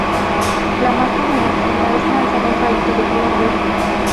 La magia de Matilda es lanzar un rayito de color verde.